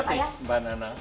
terima kasih mbak nana